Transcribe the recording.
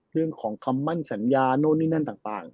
เรื่องของคำมั่นสัญญาโน้นนี่นั่นต่าง